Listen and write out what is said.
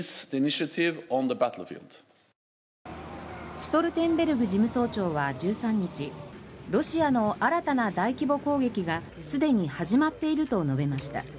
ストルテンベルグ事務総長は１３日ロシアの新たな大規模攻撃がすでに始まっていると述べました。